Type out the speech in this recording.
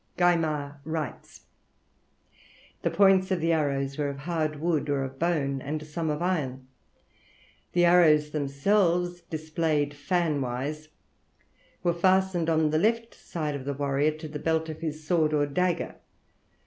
Gaimard writes, "The points of the arrows were of hard wood, or of bone, and some of iron. The arrows themselves, displayed fan wise, were fastened on the left side of the warrior to the belt of his sword or dagger.